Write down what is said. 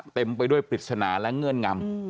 เต็มไปด้วยปริศนาและเงื่อนงำ